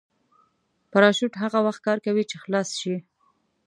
پراشوټ هغه وخت کار کوي چې خلاص شي.